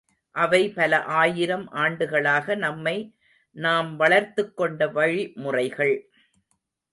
அவை பல ஆயிரம் ஆண்டுகளாக நம்மை நாம் வளர்த்துக் கொண்ட வழிமுறைகள்.